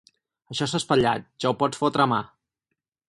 Això s'ha espatllat: ja ho pots fotre a mar!